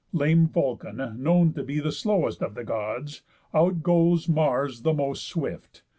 Lame Vulcan, known To be the slowest of the Gods, outgoes Mars the most swift.